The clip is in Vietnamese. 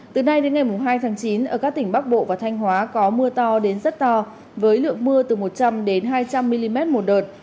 từ nay đến ngày hai tháng chín ở các tỉnh bắc bộ và thanh hóa có mưa to đến rất to với lượng mưa từ một trăm linh hai trăm linh mm một đợt